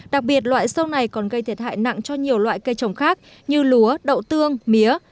đặc biệt loại sâu này còn gây thiệt hại nặng cho nhiều loại cây trồng khác như lúa đậu tương mía